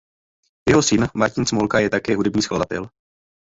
Jeho syn Martin Smolka je také hudební skladatel.